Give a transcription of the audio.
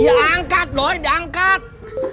ya angkat doi diangkat